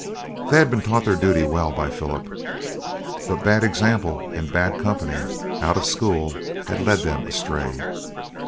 They had been taught their duty well by Philip, but bad example and bad company out of school had led them astray.